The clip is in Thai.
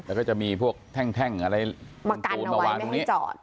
แล้วก็จะมีพวกแท่งอะไรมากันเอาไว้ไม่ให้จอด